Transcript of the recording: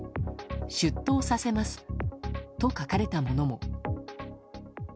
出頭させますと書かれたものも。